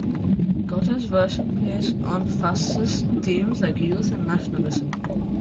Gotta's version plays on fascist themes like youth and nationalism.